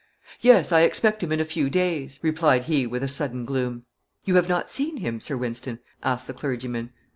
"Yes; I expect him in a few days," replied he, with a sudden gloom. "You have not seen him, Sir Wynston?" asked the clergyman.